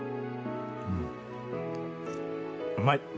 うん、うまい！